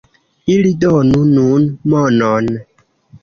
Ili donu nun monon.